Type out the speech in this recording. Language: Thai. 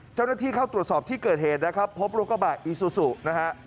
เจ้าหน้าที่เข้าตรวจสอบที่เกิดเหตุนะครับพบรถกระบะอีซูซูนะฮะ